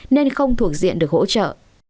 nên không thuộc diện được hỗ trợ